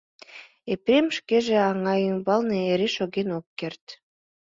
Епрем шкеже аҥа ӱмбалне эре шоген ок керт.